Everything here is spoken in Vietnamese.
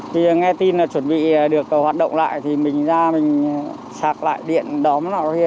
thì nghe tin là chuẩn bị được hoạt động lại thì mình ra mình sạc lại điện đóm lại